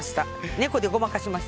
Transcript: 猫でごまかします。